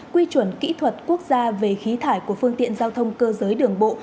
quy chuẩn kỹ thuật quốc gia về khí thải của phương tiện giao thông cơ giới đường bộ